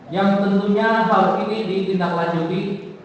yang tentunya hal ini ditindaklanjuti